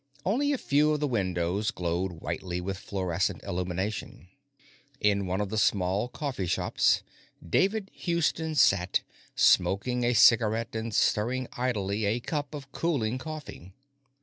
Only a few of the windows glowed whitely with fluorescent illumination. In one of the small coffee shops, David Houston sat, smoking a cigarette and stirring idly at a cup of cooling coffee.